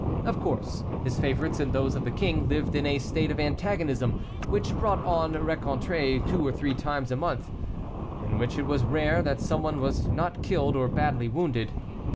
Of course, his favorites and those of the king lived in a state of antagonism, which brought on rencontres two or three times a month, in which it was rare that some one was not killed or badly wounded.